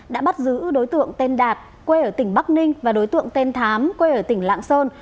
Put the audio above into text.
đã bắt giữ đối tượng tên đạt quê ở tỉnh bắc ninh và đối tượng tên thám quê ở tỉnh lạng sơn